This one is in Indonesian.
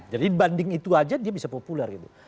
jadi dibanding itu aja dia bisa populer gitu